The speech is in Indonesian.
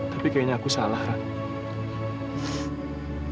tapi kayaknya aku salah kak